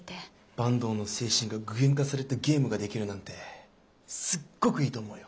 坂東の精神が具現化されたゲームができるなんてすっごくいいと思うよ。